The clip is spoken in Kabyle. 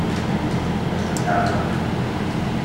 Ad sen-tt-tɛeṛḍem?